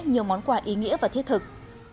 nhiều món quà ý nghĩa và thiết thực